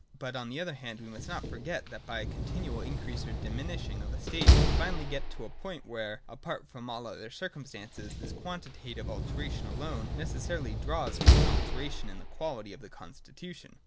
But, on the other hand, we must not forget, that by the continual increase or diminishing of a state, we finally get to a point where, apart from all other circumstances, this quantitative alteration alone necessarily draws with it an alteration in the quality of the constitution.